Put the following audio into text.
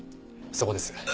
そこです。